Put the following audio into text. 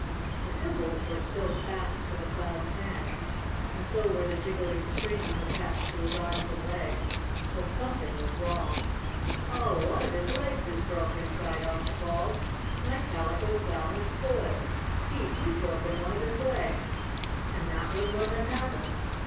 The cymbals were still fast to the Clown's hands, and so were the jiggling strings attached to his arms and legs. But something was wrong. "Oh, one of his legs is broken!" cried Archibald. "My Calico Clown is spoiled! Pete, you've broken one of his legs!" And that was what had happened.